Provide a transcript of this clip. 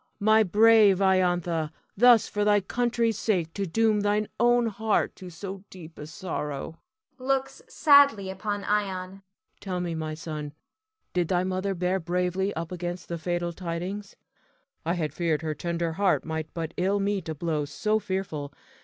My brave Iantha, thus for thy country's sake to doom thine own heart to so deep a sorrow [looks sadly upon Ion]. Tell me, my son, did thy mother bear bravely up against the fatal tidings? I had feared her tender heart might but ill meet a blow so fearful.